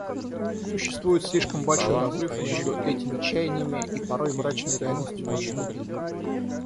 Существует слишком большой разрыв между этими чаяниями и порой мрачной реальностью нашего времени.